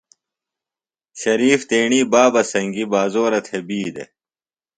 شریف تیݨیۡ بابہ سنگیۡ بازورہ تھےۡ بی دےۡ۔